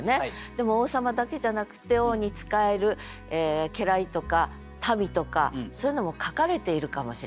でも王様だけじゃなくて王に仕える家来とか民とかそういうのも描かれているかもしれない。